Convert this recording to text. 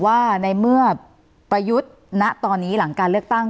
ว่าในเมื่อประยุทธ์ณตอนนี้หลังการเลือกตั้ง